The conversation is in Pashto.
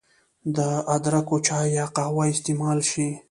د ادرکو چای يا قهوه استعمال شي